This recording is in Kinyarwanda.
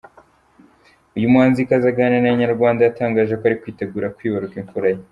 Uyu muhanzikazi aganira na Inyarwanda yatangaje ko ari kwitegura kwibaruka imfura ye.